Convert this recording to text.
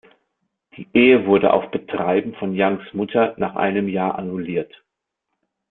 Die Ehe wurde auf Betreiben von Youngs Mutter nach einem Jahr annulliert.